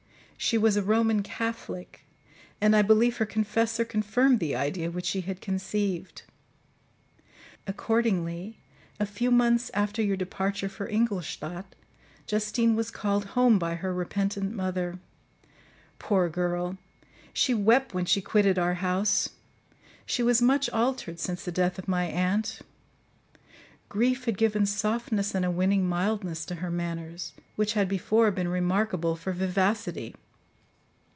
She was a Roman Catholic; and I believe her confessor confirmed the idea which she had conceived. Accordingly, a few months after your departure for Ingolstadt, Justine was called home by her repentant mother. Poor girl! She wept when she quitted our house; she was much altered since the death of my aunt; grief had given softness and a winning mildness to her manners, which had before been remarkable for vivacity.